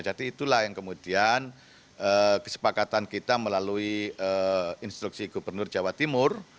jadi itulah yang kemudian kesepakatan kita melalui instruksi gubernur jawa timur